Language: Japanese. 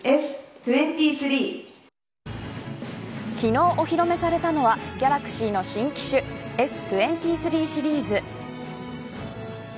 昨日、お披露目されたのはギャラクシーの新機種Ｓ２３シリーズ。